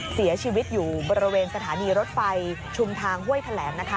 เสียชีวิตอยู่บริเวณสถานีรถไฟชุมทางห้วยแถลงนะคะ